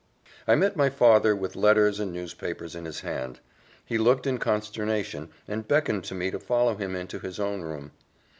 I met my father with letters and newspapers in his hand. He looked in consternation, and beckoned to me to follow him into his own room.